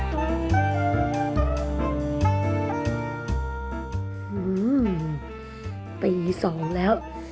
หื้อปี๒แล้ว